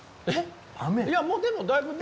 いやもうでもだいぶ。